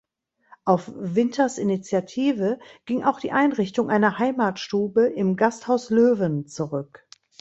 Auf Winters Initiative ging auch die Einrichtung einer „Heimatstube“ im Gasthaus Löwen zurück.